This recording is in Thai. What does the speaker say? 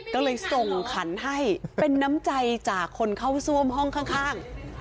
ก็เลยส่งขันให้เป็นน้ำใจจากคนเข้าซ่วมห้องข้าง